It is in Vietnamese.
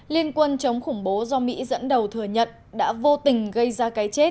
liên quân chống khủng bố do mỹ dẫn đầu thừa nhận đã vô tình gây ra cái chết